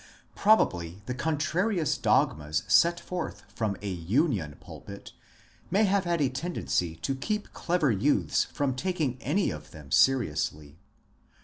Probably the contrarious dogmas set forth from a ^^ union" pulpit may have had a tendency to keep clever youths from taking any of them seriously.